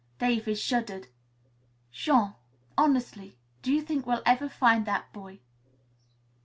David shuddered. "Jean, honestly, do you think we'll ever find the boy?"